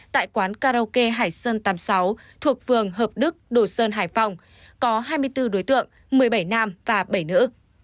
tại quán karaoke hải sơn tám mươi sáu thuộc phường hợp đức đồ sơn hải phòng có hai mươi bốn đối tượng một mươi bảy nam và bảy nữ